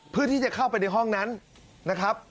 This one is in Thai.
เพื่อที่จะเข้าไปในห้องนั้นนะครับ